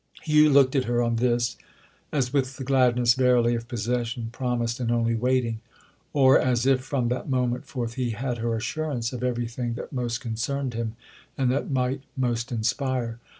Hugh looked at her, on this, as with the gladness verily of possession promised and only waiting—or as if from that moment forth he had her assurance of everything that most concerned him and that might most inspire.